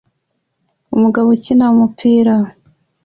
Umugabo ukina umupira